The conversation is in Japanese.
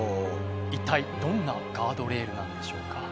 一体どんなガードレールなんでしょうか。